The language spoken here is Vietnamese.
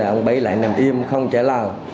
ông bảy lại nằm im không trả lao